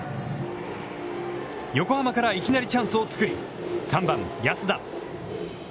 横浜からいきなりチャンスを作り、３番安田。